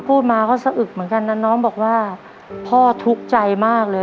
พูดมาก็สะอึกเหมือนกันนะน้องบอกว่าพ่อทุกข์ใจมากเลย